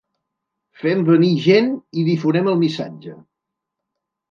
Fem venir gent i difonem el missatge.